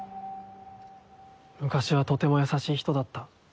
昔はとてもやさしい人だった。